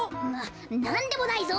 なんでもないぞ。